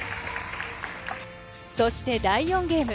そして第４ゲーム。